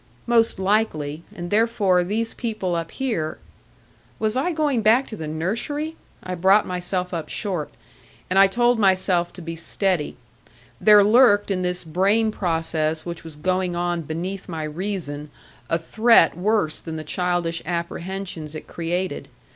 Most likely; and therefore these people up here Was I going back to the nursery? I brought myself up short. And I told myself to be steady; there lurked in this brain process which was going on beneath my reason a threat worse than the childish apprehensions it created.